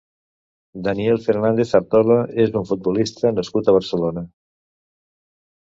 Daniel Fernández Artola és un futbolista nascut a Barcelona.